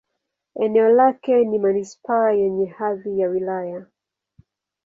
Eneo lake ni manisipaa yenye hadhi ya wilaya.